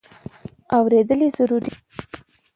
اورېدل ضروري دی.